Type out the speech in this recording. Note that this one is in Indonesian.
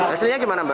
hasilnya gimana mbak